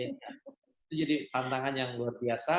itu jadi tantangan yang luar biasa